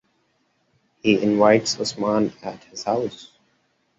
He invites Usman at his house.